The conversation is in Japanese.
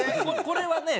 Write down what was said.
これはね